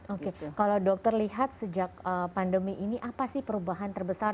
oke kalau dokter lihat sejak pandemi ini apa sih perubahan terbesar